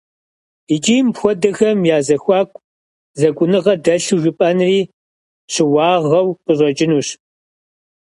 Икӏи мыпхуэдэхэм я зэхуаку зэкӏуныгъэ дэлъу жыпӏэнри щыуагъэу къыщӏэкӏынущ.